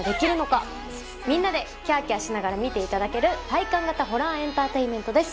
みんなでキャーキャーしながら見ていただける体感型ホラーエンターテインメントです。